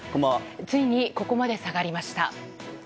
ついにここまで下がりました。